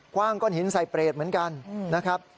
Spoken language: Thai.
ว่างก้นหินใส่เปรตเหมือนกันนะครับ